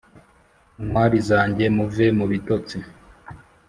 ntwari zange muve mubitotsi.